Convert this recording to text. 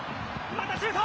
またシュート！